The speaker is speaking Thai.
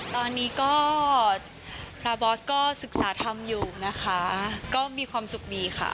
ตอนนี้ก็พระบอสก็ศึกษาธรรมอยู่นะคะก็มีความสุขดีค่ะ